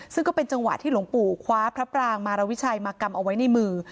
ซึ่งก็เป็นจังหวะที่หลวงปู่คว้าพระปรางมารวิชัยมากำเอาไว้ในมือ